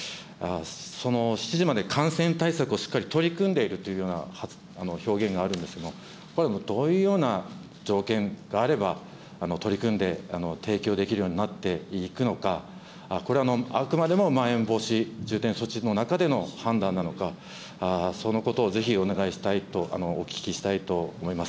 その７時まで感染対策をしっかり取り組んでいるというような表現があるんですが、これはどういうような条件があれば、取り組んで、提供できるようになっていくのか、これはあくまでもまん延防止重点措置の中での判断なのか、そのことをぜひお願いしたいと、お聞きしたいと思います。